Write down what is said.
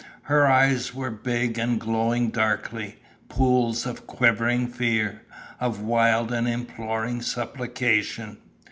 Her eyes were big and glowing darkly pools of quivering fear, of wild and imploring supplication.